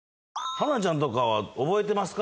春奈ちゃんとかは覚えてますか？